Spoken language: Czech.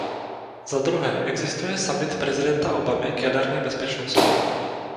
Zadruhé, existuje summit prezidenta Obamy k jaderné bezpečnosti.